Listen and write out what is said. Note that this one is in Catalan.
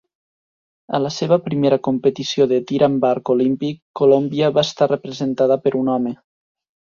A la seva primera competició de tir amb arc olímpic, Colòmbia va estar representada per un home.